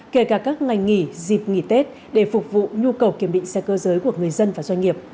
kể cả các ngày nghỉ dịp nghỉ tết để phục vụ nhu cầu kiểm định xe cơ giới của người dân và doanh nghiệp